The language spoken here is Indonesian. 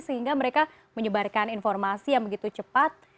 sehingga mereka menyebarkan informasi yang begitu cepat